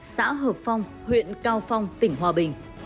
xã hợp phong huyện cao phong tỉnh hòa bình